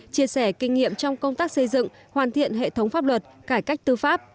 chia sẻ kinh nghiệm trong công tác xây dựng hoàn thiện hệ thống pháp luật cải cách tư pháp